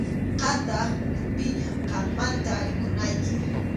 Qamtaq ukhupiña, qammanta rikunayki.